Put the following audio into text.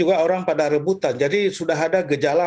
juga orang pada rebutan jadi sudah ada gejala